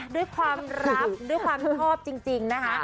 ด้วยความรักด้วยความชอบจริงนะคะ